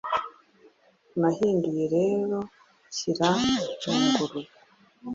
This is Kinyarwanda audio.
Nahinduye rero Nshyira mu ngurube.